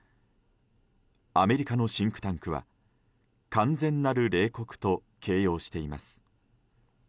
アメリカのシンクタンクは完全なる冷酷と形容しています。